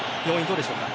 どうでしょうか。